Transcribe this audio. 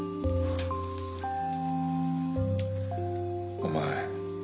お前